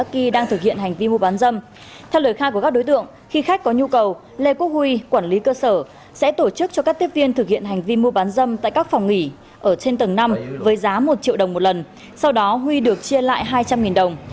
khi khách có nhu cầu lê quốc huy quản lý cơ sở sẽ tổ chức cho các tiếp viên thực hiện hành vi mua bán dâm tại các phòng nghỉ ở trên tầng năm với giá một triệu đồng một lần sau đó huy được chia lại hai trăm linh đồng